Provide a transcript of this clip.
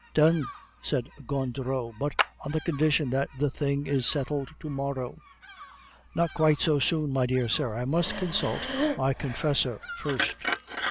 "Done!" said Gondureau, "but on the condition that the thing is settled to morrow." "Not quite so soon, my dear sir; I must consult my confessor first."